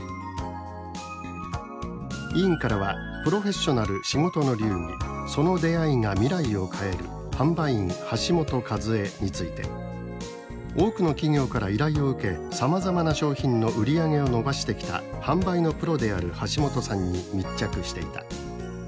委員からはプロフェッショナル仕事の流儀「その出会いが、未来を変える販売員・橋本和恵」について「多くの企業から依頼を受けさまざまな商品の売り上げを伸ばしてきた販売のプロである橋本さんに密着していた。